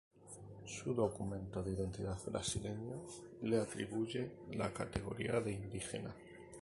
Su documento de identidad brasileño le atribuye la categoría de indígena.